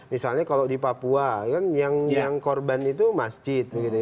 misalnya kalau di papua kan yang korban itu masjid